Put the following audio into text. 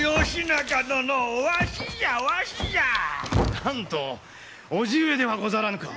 なんと叔父上ではござらぬか。